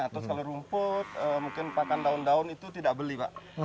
atau kalau rumput mungkin pakan daun daun itu tidak beli pak